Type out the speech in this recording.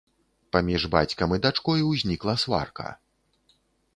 Паміж бацькам і дачкой узнікла сварка.